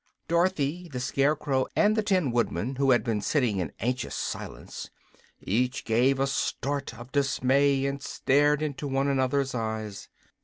Dorothy, the Scarecrow, and the Tin Woodman, who had been sitting in anxious silence, each gave a start of dismay and stared into one another's eyes.